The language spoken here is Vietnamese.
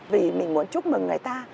vì mình muốn chúc mừng người ta